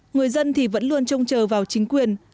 người dân thì vẫn luôn trông chờ vào chính quyền